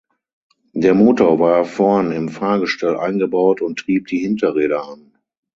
Der Motor war vorn im Fahrgestell eingebaut und trieb die Hinterräder an.